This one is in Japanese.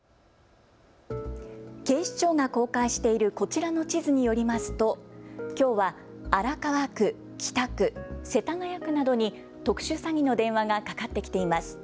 警視庁が公開しているこちらの地図によりますときょうは荒川区、北区、世田谷区などに特殊詐欺の電話がかかってきています。